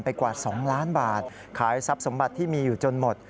กว่า๒ล้านบาทขายทรัพย์สมบัติที่มีอยู่จนหมด